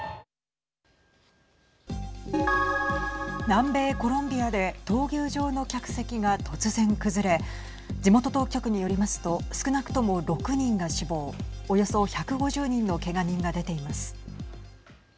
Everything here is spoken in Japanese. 南米コロンビアで闘牛場の客席が突然、崩れ地元当局によりますと少なくとも６人が死亡およそ１５０人のけが人が出ています。